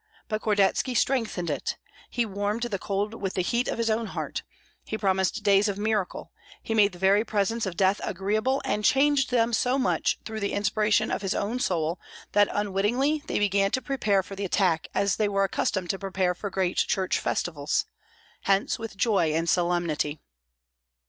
But Kordetski strengthened it; he warmed the cold with the heat of his own heart, he promised days of miracle, he made the very presence of death agreeable, and changed them so much through the inspiration of his own soul that unwittingly they began to prepare for the attack as they were accustomed to prepare for great church festivals, hence with joy and solemnity.